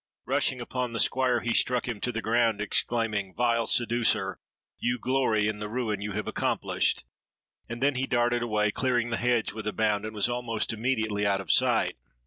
Rushing upon the Squire, he struck him to the ground, exclaiming, 'Vile seducer! you glory in the ruin you have accomplished!' and then he darted away, clearing the hedge with a bound, and was almost immediately out of sight.